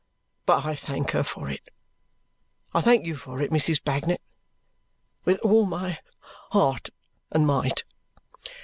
But I thank her for it. I thank you for it, Mrs. Bagnet, with all my heart and might."